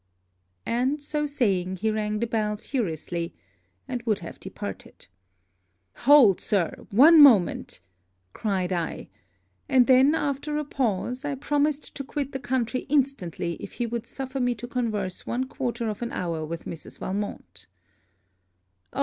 And, so saying, he rang the bell furiously; and would have departed. 'Hold, Sir, one moment,' cried I and then, after a pause, I promised to quit the country instantly if he would suffer me to converse one quarter of an hour with Mrs. Valmont. 'O!